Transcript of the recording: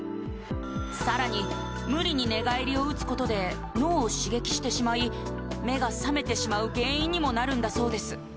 さらに無理に寝返りを打つことで脳を刺激してしまい目が覚めてしまう原因にもなるんだそうです